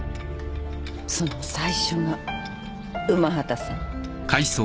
その最初が午端さん。